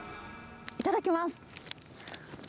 いただきます。